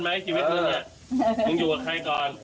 เฮ้ยฉีดมันกินเป็นหรอฉีด